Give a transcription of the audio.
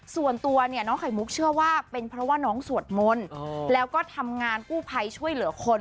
ส่วนตัวเนี่ยน้องไข่มุกเชื่อว่าเป็นเพราะว่าน้องสวดมนต์แล้วก็ทำงานกู้ภัยช่วยเหลือคน